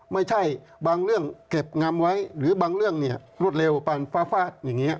ไม่ใช่บางเรื่องเก็บงำไว้หรือบางเรื่องเนี่ยรวดเร็วปานฟ้าฟาดอย่างนี้